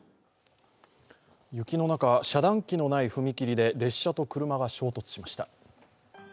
雪の中、遮断機のない踏切で列車と車が衝突しました。